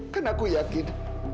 kan aku yakin